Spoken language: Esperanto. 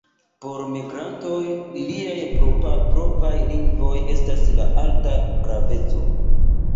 Por migrantoj iliaj propraj lingvoj estas de alta graveco.